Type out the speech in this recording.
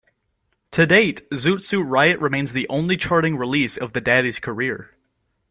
To date, "Zoot Suit Riot" remains the only charting release of the Daddies' career.